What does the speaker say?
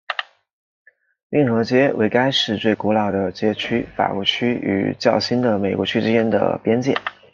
运河街为该市最古老的街区法国区与较新的美国区之间的边界。